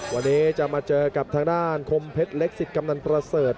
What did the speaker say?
วันนี้จะมาเจอกับทางด้านคมเพชรเล็กสิทธิ์กำนันประเสริฐ